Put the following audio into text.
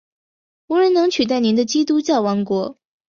无人能取代您的基督教王国！